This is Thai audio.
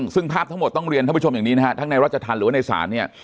ซึ่งภาพทั้งหมดต้องเรียนท่านผู้ชมอย่างนี้นะฮะทั้งในรัชธรรมหรือว่าในศาลเนี่ย